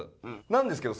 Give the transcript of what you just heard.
なんですけど。